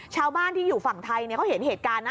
ชาวบ้านที่อยู่ฝั่งไทยเขาเห็นเหตุการณ์นะ